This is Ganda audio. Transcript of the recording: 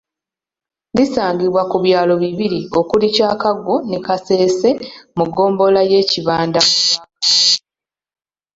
Lisangibwa ku byalo bibiri okuli Kyakago ne Kasese mu ggombolola y'e Kibanda mu Rakai